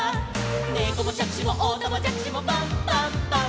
「ねこもしゃくしもおたまじゃくしもパンパンパン」